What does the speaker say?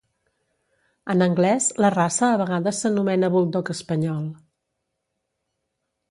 En anglès, la raça a vegades s'anomena buldog espanyol.